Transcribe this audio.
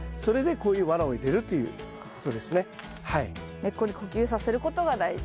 根っこに呼吸させることが大事。